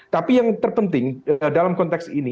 tapi yang terpenting dalam konteks ini